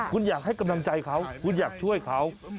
คุณอยากให้กำลังใจเขาคุณอยากช่วยเขา